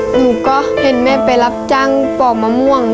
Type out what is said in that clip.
หนูก็เห็นแม่ไปรับจ้างปอกมะม่วง